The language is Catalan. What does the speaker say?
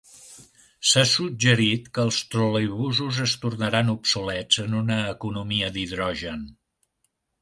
S'ha suggerit que els troleibusos es tornaran obsolets en una economia d'hidrogen.